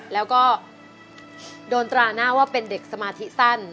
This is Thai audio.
แล้วก็โดนตราหน้าว่าเป็นเด็กสมาธิสั้น